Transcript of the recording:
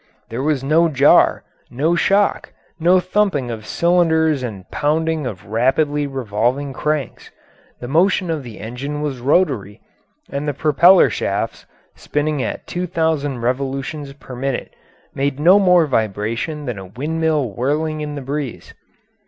There was no jar, no shock, no thumping of cylinders and pounding of rapidly revolving cranks; the motion of the engine was rotary, and the propeller shafts, spinning at 2,000 revolutions per minute, made no more vibration than a windmill whirling in the breeze.